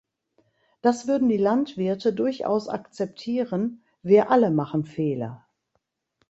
Das würden die Landwirte durchaus akzeptieren wir alle machen Fehler.